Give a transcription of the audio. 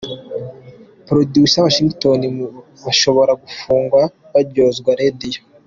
Producer Washington mu bashobora gufungwa baryozwa Radio.